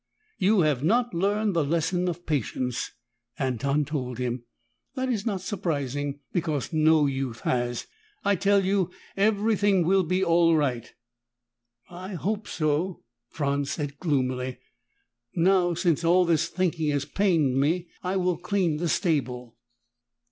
"You have not learned the lesson of patience," Anton told him. "That is not surprising, because no youth has. I tell you everything will be all right." "I hope so," Franz said gloomily. "Now, since all this thinking has pained me, I will clean the stable."